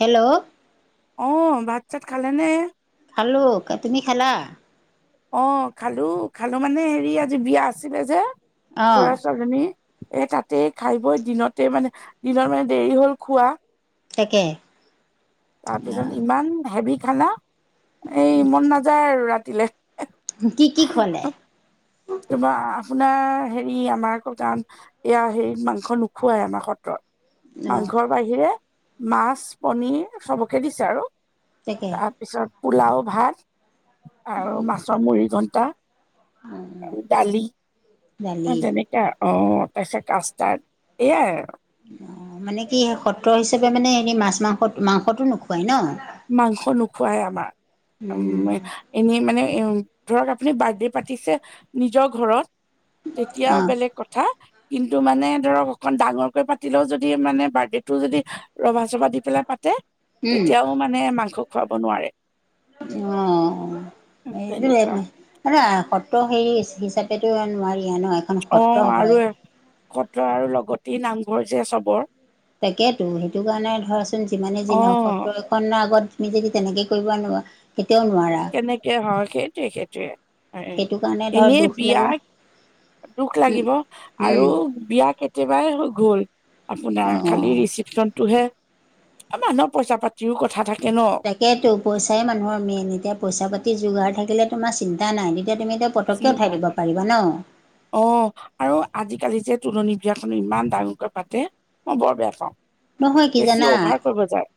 Hello, অ, ভাত-চাত খালে নে? খালো, তুমি খালা? অ, খালো খালো মানে হেৰি আজি বিয়া আছিলে যে, অঁ খুৰাৰা ছোৱালীজনী। এই, তাতে খাই বৈ দিনতে মানে, দিনত মানে দেৰি হ'ল খোৱা। তাকে। অঁ তাৰপিছত ইমান হেভি খানা, এই মন নাযায় আৰু ৰাতিলে। কি কি খুৱালে? তোমাৰ আপোনাৰ হেৰি, আমাৰ আকৌ কাৰণ এয়া হেৰিত মাংস নোখোৱাই আমাৰ সত্ৰত। অঁ মাংসৰ বাহিৰে মাছ, পনিৰ, চবকে দিছে আৰু তাকে তাত। তাৰপিছত পোলাও ভাত আৰু মাছৰ মুৰিঘণ্টা। উম, উম, অ, তেনেকা অ, তাৰপিছত কাষ্টাৰ্ড এইয়াই আৰু। অ, মানে কি সত্ৰ হিচাপে মানে, হেৰি মাছ-মাংস মাংসটো নোখোৱাই ন? মাংস নোখোৱাই আমাৰ উম, এনেই মানে এইও ধৰক আপুনি বাৰ্থডে পাতিছে নিজৰ ঘৰত। তেতিয়া অঁ বেলেগ কথা। কিন্তু মানে ধৰক অকন ডাঙৰকৈ পাতিলেও যদি মানে বাৰ্থডেটো যদি ৰভা চভা দি পেলাই পাতে উম তেতিয়াও মানে মাংস খুৱাব নোৱাৰে। অ', [unintelligible] মানে তেনেকুৱা সত্ৰ হেৰি হিচ-হিচাপেতো আৰ নোৱাৰিয়ে ন এখন সত্ৰ অ' আৰু হয় এ-সত্ৰ আৰু লগতি নামঘৰ যে চবৰ তাকেতো সেইটো কাৰণে ধৰাচোন যিমানে যি অ নহওঁক সত্ৰই [unintelligible] আগত তুমি যদি তেনেকে কৰিব নোৱা তেতিয়াও নোৱাৰা। তেনেকে হয় সেইটোৱে, সেইটোৱে। [unintelligible] সেইটো কাৰণে ধৰ এনেই দুখ লাগিব বিয়াৰ দুখ উম, লাগিব আৰু উম, বিয়া কেতিয়াবাই হৈ গল। আপোনাৰ খালি অ'। ৰিচিপচনটোহে। এ মানুহৰ পইচা পাতিও কথা থাকে ন। তাকেইতো পইচাই মানুহৰ মেইন, এতিয়া পইচা পাতি যোগাৰ থাকিলে তোমাৰ চিন্তা নাই তেতিয়া তুমি [unintelligible] পটককে চিন্তা উঠাই দিব পাৰিবা ন? অ' আৰু আজিকালি যে তুলনি বিয়াখনো ইমান ডাঙৰকৈ পাতে, মই বৰ বেয়া পাওঁ। নহয় কি বেছি জানা? অভাৰ কৰিব যায়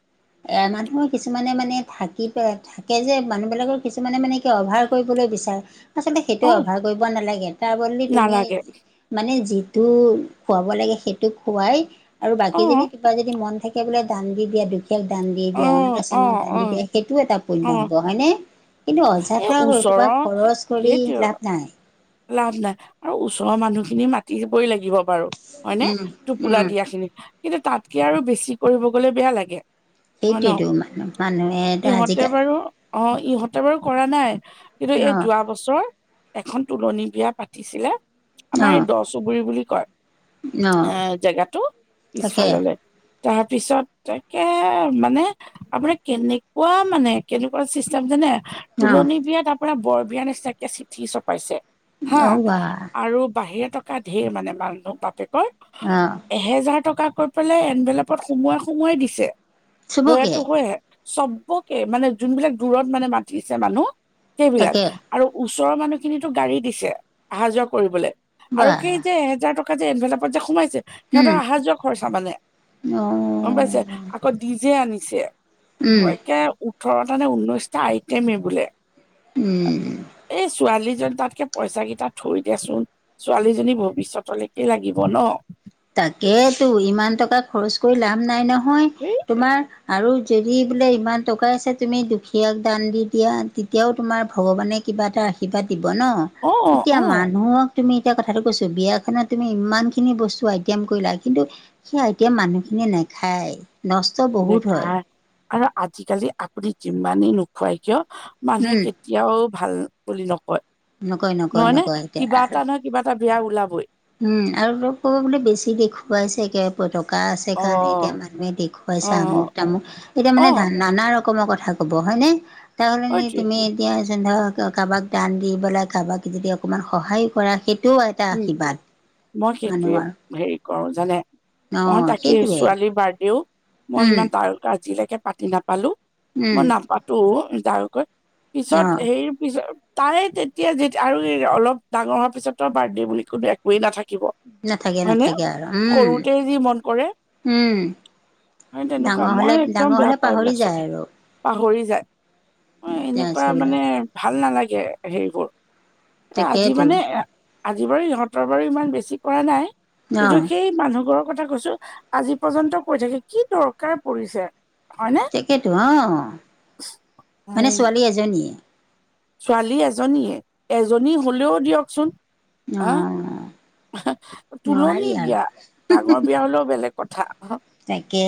এ মানুহৰ কিছুমানে মানে থাকি প থাকে যে মানুহ বিলাকৰ কিছুমানে মানে কিয় ভাৰ কৰিবলৈ বিচাৰে, আচলতে অ সেইটোয়ে অভাৰ কৰিব নালাগে, তাৰ বদলি তুমি নালাগে মানে যিটো খোৱাব লাগে সেইটো খোৱাই আৰু অ বাকী যদি [unintelligible] যদি মন থাকে বোলে দান দি দিয়া দুখ [unintelligible] দান দি অ দিয়া, অনাথ অ আশ্ৰমত দান অ দি দিয়া সেইটো এটা পুণ্য অ হ'ব, হয়নে? কিন্তু এই অযাথা ওচৰৰ এহোপা খৰচ কৰি সেইটোৱে লাভ নাই। লাভ নাই আৰু ওচৰৰ মানুহখিনি মাতিবয়ে লাগিব বাৰু। হয়নে? উম উম টোপোলা দিয়া খিনি, কিন্তু তাতকে আৰু বেছি কৰিব গলে বেয়া লাগে। হয় ন সেইটোৱেতো মানুহ-মানুহেটো ইহঁতে আজিকাল বাৰু অ' ইহঁতে বাৰু কৰা নাই, কিন্তু এই অ যোৱা বছৰ, এখন তুলনি বিয়া পাতিছিলে, আমাৰ অ এই দ চুবুুৰী বুলি কয়। অ এ জেগাটো তাকে পিছফাললে তাৰপিছত তাকে মানে আপোনাৰ কেনেকুৱা মানে কেনেকুৱা চিষ্টেম জানে? অ তুলনী বিয়াত আপোনাৰ বৰ বিয়া নিচিনাকে চিঠি চপাইছে। হা অ বা আৰু বাহিৰা টকা ধেৰ মানে মানুহটো বাপেকৰ অ'। এহেজাৰ টকা কৈ পেলাই এনভেলাপত সোমোৱাই, সোমোৱাই দিছে, চবকে হয়েতো হয়ে। চবকে মানে যোনবিলাক দূৰত মানে মাতিছে মানুহ সেইবিলাক। তাকে আৰু ওচৰৰ মানুহখিনিতো গাড়ী দিছে, আহা যোৱা কৰিবলে। আৰু বাহ সেই যে এহেজাৰ টকা যে এনভেলাপত যে সোমাইছে উম সিহঁতৰ আহা যোৱা খৰচা মানে, অ গম পাইছে আকৌ ডিজে আনিছে। উম কে ওঠৰটা নে ঊনৈশটা আইটেমেই বোলে। উম। এই ছোৱালীজন তাতকে পইচা কেইটা থৈ দেচোন ছোৱালীজনীক ভৱিষ্যতলৈকে লাগিব ন। তাকেইতো ইমান টকা খৰচ কৰি লাভ নাই নহয়। [unintelligible] তোমাৰ আৰু যদি বোলে ইমান টকাই আছে তুমি দুখীয়াক দান দি দিয়া। তেতিয়াও তোমাৰ ভগৱানে কিবা এটা আশীৰ্বাদ দিব ন। অ এতিয়া অ মানুহক তুমি এতিয়া কথাটো কৈছোঁ বিয়া খনত তুমি ইমান খিনি বস্তু আহি কৰিলা কিন্তু সেই আই [unintelligible] মানুহখিনিয়ে নাখায় নষ্ট বহুত হয় নেখাই, আৰু আজিকালি আপুনি যিমানেই নোখোৱাই কিয় মানুহে উম কেত তিয়াও ভাল বুলি নকয়, নকয় নকয় নহয় নে নকয় এতিয়া কিবা এটা নহয় কিবা এটা বেয়া ওলাবই। উম আৰু অপ ক'ব বোলে বেছি দেখুৱাইছে একে। টকা আছে অ কাৰণে এতিয়া মানুহে অ দেখুৱাইছে আমুক-তামুক এতিয়া অ মানে ধ নানা ৰক কমৰ কথা কব হয়নে? [unintelligible] সেইটোৱে তুমি এতিয়া যেন ধৰক কাৰোবাক দান দি পেলাই কাৰোবাক যদি অকণমান সহায়ো কৰা সেই টোও এটা উম আশীৰ্বাদ। মই সেইটোয়ে মানুহৰ হেৰি কৰো জানে। মই অ' তাকে সেইটোৱে ছোৱালীৰ বাৰ্থডেও, মই উম, ইমান তাৰ আজিলৈকে পাতি নাপালো। উম, মই নাপাতো তাৰকৈ পিছত অ'। হেই পিছত তাই তেতিয়া যে আৰু অলপ ডাঙৰ হোৱাৰ পিছত ত বাৰ্থডে বুলি ক'লে নাথাকিব নাথাকে হয়নে নাথাকে আৰু উম, সৰুতে যি মন কৰে। উম। সেই তেনেকুৱা ডাঙৰ মই হ'লে একদম ডাঙৰ বেয়া হ'লে পাওঁ পাহৰি এইবিলাক চব যায় আৰু পাহৰি যায়। অ' এনেকুৱা মানে সেইবিলাক ভাল নালাগে হেৰিবোৰ এ আজি তাকেইতো। মানে আজি বাৰু ইহঁতৰ বাৰু ইমান বেছি কৰা নাই কিন্তু অ' সেই মানুহ ঘৰৰ কথা কৈছোঁ। আজি পৰ্যন্ত কৈ থাকে, কি দৰকাৰ পৰিছে। হয়নে তাকেতো অঁ, মানে উম ছোৱালী এজনীয়ে। ছোৱালী এজনীয়ে এজনী হলেও দিয়কচোন। অ' তুলনি নোৱাৰি আৰু বিয়া ডাঙৰ বিয়া হ'লেও বেলেগ। কথা। তাকে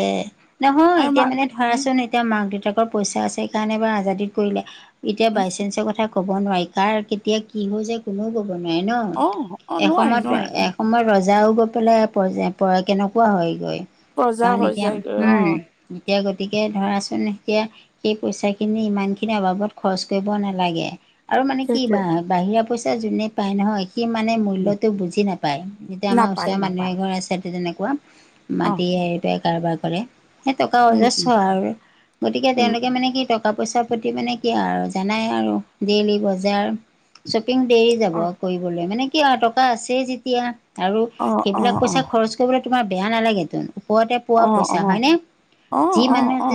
নহয় আৰু এতিয়া মা মানে উম ধৰাচোন এতিয়া মাক-দেউতাকৰ পইচা আছে, সেইকাৰণে বাৰ আজাদিত কৰিলে এতিয়া উম বাইচাঞ্চৰ কথা ক'ব নোৱাৰি কাৰ কেতিয়া কি হৈ যায়, কোনেও ক'ব নোৱাৰে ন অ অ নোৱাৰি এসময়ত নোৱাৰি সময় ৰজাও গৈ পেলাই কেনেকুৱা হয়গৈ। প্ৰজা কাৰণ হৈ এতিয়া যায়গৈ অ উম এতিয়া গতিকে ধৰাচোন এতিয়া সেই পইচাখিনি ইমানখিনি অবাবত খৰচ কৰিব নালাগে। আৰু মানে কি সেইটোৱে বা-বাহিৰা পইচা যোনে পায় নহয়। সি মানে উম মূল্যটো বুজি নাপায়, যেতিয়া আমাৰ নাপায় ওচৰৰ মানুহ এ নাপায় ঘৰ আছে তেনেকুৱা। অ মাতি [unintelligible] কাৰবাৰ কৰে। সেই টকা অজস্ৰ আৰু গতিকে তেওঁলোকে মানে কি টকা-পইচা প্ৰতি মানে কি আৰু জানাই আৰু ডেইলি বজাৰ। শ্বপিং দেৰি যাব কৰিবলৈ মানে কি টকা আছেই যেতিয়া। আৰু সেইবিলাক পইচা খৰচ কৰিবলৈ তোমাৰ বেয়া নালাগেতো। ওপৰতে পোৱা পইচা। হয়নে? [unintelligible] যি মানুহে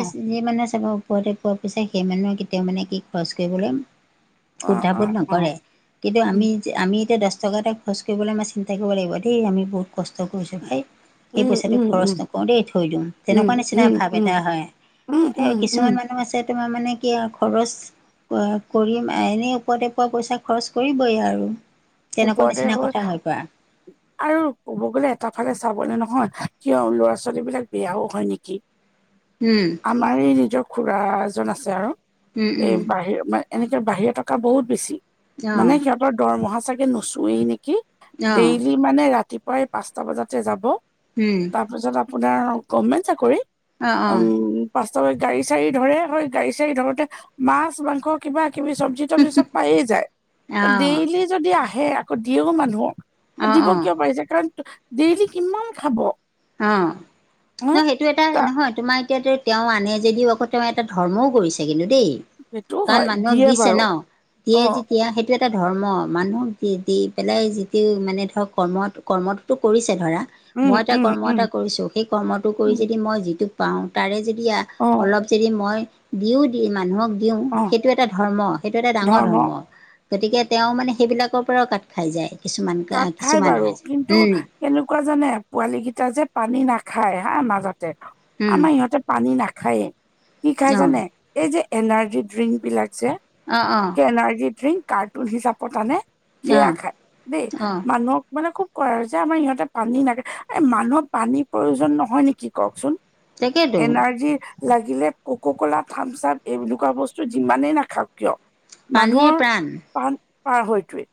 চাব ওপৰতে পোৱা পইচা সেই মানুহে কেতিয়াও মানে [unintelligible] কুদ্ধাবোধ নকৰে। কিন্তু আমি যে আমি এতিয়া দহ টকা এটা খৰচ কৰিবলে আমাৰ চিন্তা কৰিব লাগিব দেই আমি কষ্ট কৰিছো ভাই সেই পইচাটো খৰচ নক নকৰোঁ দেই থৈ দিও, তেনেকুৱা নিচিনা ভাৱ এটা হয় কিন্তু কিছুমান মানুহ মানুহ আছে তোমাৰ মানে কি আও খৰচ কৰিম এনেই ওপৰতে পোৱা পইচা খৰচ কৰিবই আৰু। তেনেকুৱা ওপৰতে নিচিনা হয় কথা হৈ পৰা আৰু ক'ব গ'লে এটা ফালে চাবলেনহয় কিয় ল'ৰা- ছোৱালী বিলাক বেয়াও হয় নেকি। [inaudible] উম আমাৰ এই নিজৰ খুৰা এজন আছে আৰু এই বাহিৰ মান এনেকে বাহিৰা টকা থকা বহুত বেছি। মানে সিহঁতৰ দৰমহা চাগৈ নুচোৱেই নেকি? কি? ডেইলি মানে ৰাতিপুৱাই পাঁচটা বজাতে যাব। উম তাৰপিছত আপোনাৰ গভমেন্ট চাকৰি অঁ অঁ অঁ উম অঁ বাস্তৱে গাড়ী, চাৰি ধৰে হয়েই গাড়ী চাৰি ধৰোতে মাছ মাংস কিবা কিবি চ'ব জিটবলিষ্ট পিছত পায়ে যায়। ত' ডেইলি যদি আহে আকৌ দিয়েও মানুহক অঁ অঁ দিব কিয় পাৰিছে, কাৰণ ডেইলি কিমান খাব। অ' ন হা সেই- টো এটা তা নহয় তোমাৰ এতিয়াতো তেওঁ আনে যদিওঁ আকৌ' তেওঁ এটা ধৰ্মও কৰিছে কিন্তু দেই। সেইটো কাৰণ হয় মানুহক দিয়ে দিছে ন, বাৰু দিয়ে অ যে সেয়া সেইটো এটা ধৰ্ম, মানুহক দি পেলাই যিটো মানে ধৰক কৰ্মত কৰ্মটোতো কৰিছে ধৰা, উম মই এটা উম কৰ্ম উম এটা কৰিছোঁ সেই কৰ্মটো কৰি উম যদি মই পাওঁ তাৰে যদি অ অলপ যদি মই দিও দি মানুহক দিওঁ। অ সেইটো এটা ধৰ্ম সেইটো এটা ডাঙৰ ধৰ্ম গতিকে তেওঁ মানে সেইবিলাকৰ পৰাও কাত খাই যায়। কিছুমান কাট খাই কিছুমান বাৰু কিন্তু উম কেনেকুৱা জানে, পোৱালী কেইটা যে পানী নাখায় হা মাজতে উম আমাৰ সিহঁতে পানী নাখায়েই কি খাই অ জানে? এই যে এনাৰ্জি ড্ৰিংক বিলাক যে অ' অ এনাৰ্জি ড্ৰিংক, কাৰ্টুন, হিচাপত আনে অ সেয়া খায় দেই। অ অ মানুহক মানে খুব- কৰে যে আমাৰ ইহঁতে পানী নাখে, এই মানুহক পানীৰ প্ৰয়োজন নহয় নেকি কওকচোন? তাকেতো এনাৰ্জি লাগিলে কক' কলা, থামচাম, এনেকুৱা বস্তু যিমানেই নাখাওক কিয়। পানীয়ে মানুহৰ প্ৰাণ প পাৰ হয়তোৱে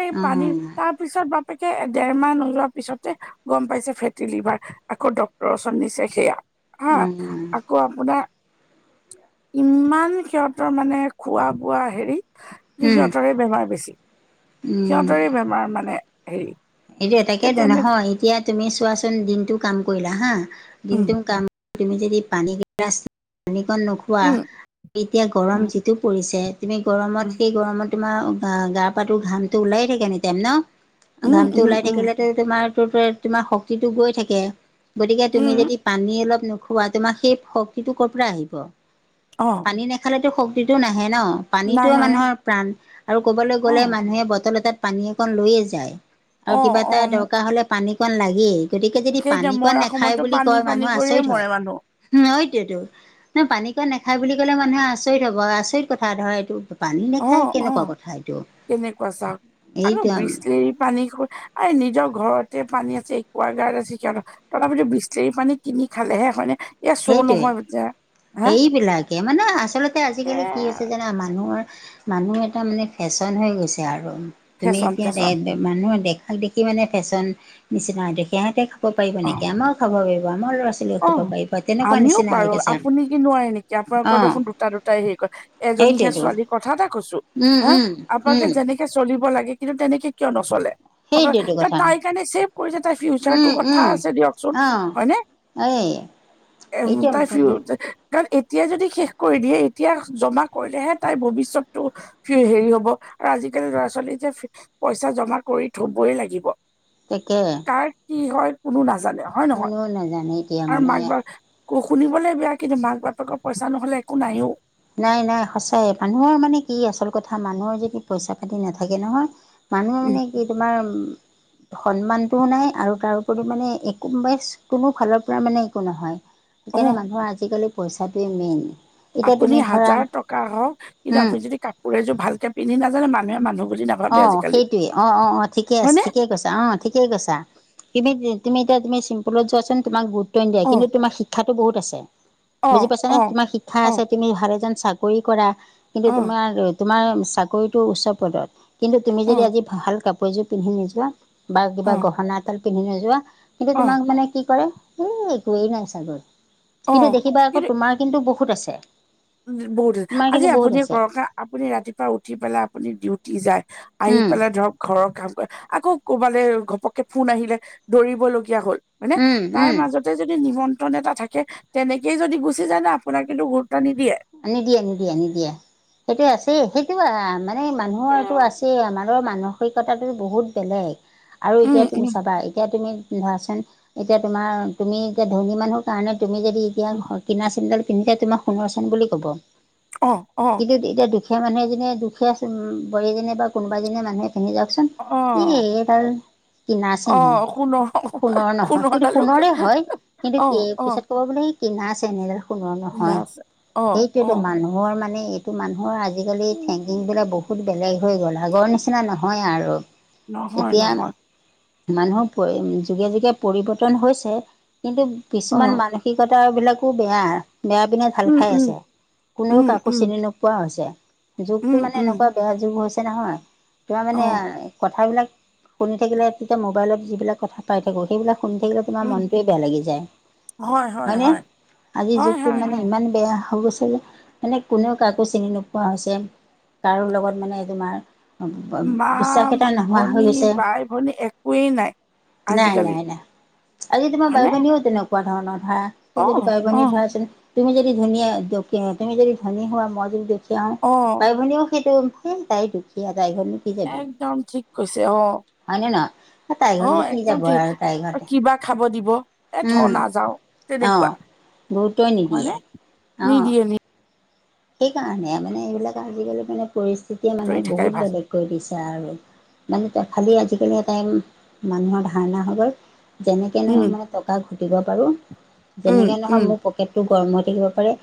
এই অ', পানীৰ তাত তাৰ পিছত বাপেকে দেৰ মাহ নোযোৱাৰ পিছতে গ'ম পাইছে ফেটি লিভাৰ। আকৌ' ডক্টৰ ওচৰত নিছে সেয়া। হা উম' আকৌ আপোনাৰ, ইমান সিহঁতৰ মানে খোৱা বোৱা হেৰি উম, সিহঁতৰে বেমাৰ বেছি। উম। সিহঁতৰে বেমাৰ মানে হেৰি- এইটো এ তাকেইতো তেনে নহয় এতিয়া তুমি চোৱাচোন, দিনটো কাম কৰিলা হাঁ উম দিনটো কাম তুমি যদি পানী গিলাচ ৰাস্তা পানীকণ নোখোৱা উম এতিয়া গৰম উম যিটো পৰিছে। তুমি গৰমত উম সেই গৰমত তোমাৰ গাপা ঘামটো ওলাইে থাকে ন টাইম ন। উম' ঘামটো উম' ওলাই উম' থাকিলেতো তোমাৰ, তোমাৰ শক্তিটো গৈ থাকে গতিকে তুমি উম যদি পানী অলপ নোখোৱাই তোমাৰ সেই শক্তিটো ক'ৰ পৰা আহিব। অঁ পানী নেখালেতো শক্তিটো নাহে ন, পানীতটো নাহে মানুহৰ প্ৰাণ। আৰু ক'বালৈ অ গ'লে মানুহে বটল এটাত পানী, একণ লৈয়ে যায়। আৰু অ কিবা এটা অ দৰকাৰ হ'লে পানী অকণ লাগেই। গতিকে যদি সেইতিয়া পানী অকণ মৰা নেখায় সময়তো বুলি পানী কয় পানী মানুহ কৰিয়ে আচৰিত মৰে হয়। মানুহ সেইটোৱেইটো, নহয় পানী কন নাখায় বুলি ক'লে মানুহে আচৰিত হ'ব আচৰিত কথা ধৰা এইটো। পানী নাখায় অ' অ' কেনেকুৱা কথা এইটো কেনেকুৱা চাওক, আৰু এইটো বিচলিৰ পানী স এই নিজৰ ঘৰতে পানী আছে একুৱাগাৰড আছে সিহঁতৰ তথাপিতো বিচলিৰি পানী কিনি খালেহে হয়নে? এয়া চ' সেইটোৱে নহয় এতিয়া সেইবিলাকে মানে, আচলতে এ আজিকালি কি হৈছে জানা মানুহৰ মানুহ এটা মানে ফেচন হৈ গৈছে আৰু তুমি ফেশ্বন এতিয়া ফেশ্বন দে মানুহে দেখাক দেখি মানে ফেচন নিচিনা হয়, তে সিহঁতে খাব পাৰিব অ নেকি আমাৰোঁ খাব পাৰিব আমাৰ লৰা-ছোৱালীয়েও খাব পাৰিব। তেনেকুৱা আমিওঁ নিচিনা হৈ পাৰোঁ গৈছে আপুনি কি নোৱাৰে নেকি আপোনালোকৰ অঁ দেখোন দুটা, দুটাই হেৰি কয় এজনীহে সেইটোৱেতো ছোৱালী কথা এটা কৈছো উম হা, উম উম আপোনালোকে যেনেকে চলিব লাগে, কিন্তু তেনেকে কিয় ন'চলে সেইটোৱেতো [unintelligible] কথা তাই কাৰণে ছেভ কৰিছে তাই ফিউচাৰটো উম উম কথা আছে দিয়কচোন অঁ হয়নে? এই এ, এতিয়া তাই ফিউ কাৰণ এতিয়াই যদি শেষ কৰি দিয়ে এতিয়া জমা কৰিলেহে তাইৰ ভৱিষ্যটো সে হেৰি হ'ব আৰু আজিকালি ল'ৰা-ছোৱালী যে পইচা জমা কৰি থবই লাগিব। তেকে। কাৰ কি হয় কোনো নাজানে অ'। কোনোওঁ নাজানে। এতিয়া আৰু মানে মাক বা কো শুনিবলৈ বেয়া কিন্তু মাক- বাপেকৰ পইচা নহ'লে একো নাইও। নাই, নাই সঁচাই মানুহৰ মানে কি আচল কথা মানুহৰ যদি পইচা-পাতি নাথাকে নহয় মানুহে উম, মানে কি তোমাৰ সন্মানটোও নাই আৰু তাৰ উপৰিও মানে একো [unintelligible] কোনো ফালৰ পৰা মানে একো নহয়। অ' সেইকাৰণে মানুহৰ আজিকালি পইচাটোৱে মেইন, এতিয়া আপুনি তুমি ধৰা হাজাৰ টকা হওঁক কিন্তু উম আপুনি যদি কাপোৰ এযোৰ ভালকে পিন্ধি নাযায় ন, মানুহে মানুহ বুজি না অ' অ'সেইটোৱে অ'অ'অ'ঠিকে আছে ঠিকে কৈছা অ'। ঠিকেই কৈছা, কিন্তু তুমি এতিয়া তুমি চিম্পুলত যোৱাচোন তোমাক গুৰুত্ব নিদিয়ে অ' কিন্তু, তোমাৰ শি ক্ষাতো বহুত আছে অ' বুজি পাইছা নে? অ' তোমাৰ শিক্ষা অ' আছে, তুমি ভাল এজন চাকৰি কৰা কিন্তু অ' তোমাৰ, তোমাৰ চাকৰিটো উচ্চ পদত কিন্তু তুমি যদি আজি ভাল কাপোৰ এযোৰ পিন্ধি নোযোৱা বা কিবা অ' গহনা এদাল পিন্ধি নোযোৱা কিন্তু অ' তোমাক মানে কি কৰে এই একোৱেই নাই চাগৈ, কিন্তু অ' দেখিবা আকৌ তোমাৰ কিন্তু বহুত আছে। উম, বহুত তোমাৰ [inaudible] আজি কিন্তু বহুত আপুনিয়ে আছে কৰক হা, আপুনি ৰাতিপুৱা উঠি পেলাই আপুনি ডিউটি যায় আহি উম পেলাই ধৰক ঘৰৰ কাম কৰে আকৌ ক'ৰবালে ঘপককে ফোন আহিলে দৌৰিবলগীয়া হ'ল হয়নে উম তাৰ উম মাজত তে যদি নিমন্ত্ৰণ এটা থাকে তেনেকেই যদি গুচি যায় ন, আপোনাক কিন্তু গুৰুত্ব নিদিয়ে। নিদিয়ে, নিদিয়ে, নিদিয়ে, সেইটো আছে সেইটো মানে মানুহৰটো অ'। আছে, আমাৰ ৰ মানসিকতাটো বহুত বেলেগ আৰু উম এতিয়া তুমি উম চাবা এতিয়া তুমি ধৰাচোন এতিয়া তোমাৰ তুমি এতিয়া ধনী মানুহ তানে তুমি যদি এতিয়া উম কিনা চেন ডাল পিন্ধিলে তোমাক সোণৰ চেন বুলি ক'ব। অ অ কিন্তু এতিয়া দুখীয়া মানুহ এজনিয়ে বা দুখীয়া বোৱাৰী এজনীয়ে বা কোনোবা এজনীয়ে মানুহে পিন্ধি যাওঁকচোন অ এ, এডাল কিনা অ চেনহে সোণৰ সোণৰ নহয়, সেইতো সোণৰে হয় কিন্তু অ কি অ পিছত ক'ব বোলে কিনা চেনহে এইডাল সোণৰ পিন্ধা নহয় আছে অ অ সেইটোৱেতো মানুহ মানুহৰ মানে এইটো মানুহৰ আজিকালি উম। থিংকিংবিলাক বহুত বেলেগ হৈ গ'ল আগৰ নিচিনা নহয় আৰু। নহয় এতিয়া নহয় মানুহৰ যুগে [unintelligible] যুগে পৰিৱৰ্তন হৈছে কিন্তু অ কিছুমান মানুহ মানসিকতা বিলাকো বেয়া, বেয়া পিনে ঢাল উম খাই উম আছে কোনেওঁ উম কাকো উম চিনি এনেকুৱা হৈছে উম যুগটো মানে উম এনেকুৱা বেয়া যুগ হৈছে নহয় তোমাৰ মানে অ কথাবিলাক শুনি থাকিলে [unintelligible] মোবাইলত যিবিলাক কথা পাই থাকোঁ সেইবিলাক শুনি থাকিলে তোমাৰ উম, মনটোৱে বেয়া লাগি যায় হয় নে? আজি হয়, যুগটো হয়, মানে হয়। ইমান বেয়া হৈ গৈছে মানে কোনেও কাকো চিনি নোপোৱা হৈছে কাৰো লগত মানে তোমাৰ মা, [unintelligible] বিশ্বাস এটা নোহোৱা হৈ ভনী, গৈছে। বাই, ভনী একোৱেই নাই। নাই আজিকালি নাই নাই আজি তোমাৰ বাই হয়নে? ভনিও তেনেকুৱা তেনকোৱা ধৰনৰ ধৰা যদি অ', বাই ভনীৰ অ', ধৰা [unintelligible] তুমি যদি ধুনীয়া তুমি যদি ধনী হোৱা মই যদি দুখীয়া হওঁ অ। বাই ভনীও সেইটো [unintelligible] তাই দুখীয়া বাই ভনী একদম ঠিক কৈছে অ। হয়নে নহয় তাই অ ঘৰনো কি একদম যাব ঠিক আৰু তাই ঘৰতে কিবা খাব দিব এ থ উম নাযাওঁ। অ তেনেকুৱা গুৰুত্বই নিদিয়ে হয়নে? অ নিদিয়ে নি সেইকাৰণে মানে এইবিলাক আজিকালি মানে পৰিস্থিতিয়ে আঁতৰি মানুহক থাকাই বহুত ভাল বেলেগ কৰি দিছে আৰু। মানে [unintelligible] খালি আজিকালি এটাই মানুহৰ ধাৰণা হৈ গ'ল যেনেকে উম, নহওঁক মানে টকা ঘটিব পাৰো, উম, যেনেকে নহয় উম। মোৰ পকেট টো গৰম হৈ থাকিব পাৰে।